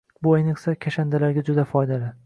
Bu ayniqsa, kashandalarga juda foydali.